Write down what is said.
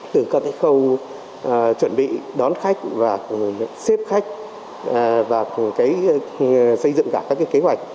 từ cơ thể khâu chuẩn bị đón khách và xếp khách và xây dựng cả các kế hoạch